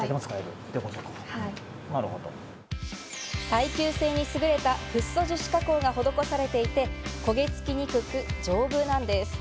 耐久性にすぐれたフッ素樹脂加工が施されていて、焦げ付きにくく丈夫なんです。